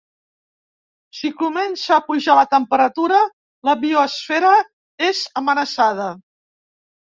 Si comença a pujar la temperatura, la biosfera és amenaçada.